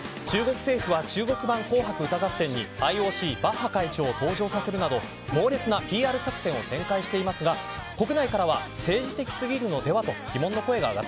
中国政府は中国版「紅白歌合戦」にＩＯＣ、バッハ会長を登場させるなど猛烈なＰＲ作戦を展開していますが国内からは政治的すぎるのでは？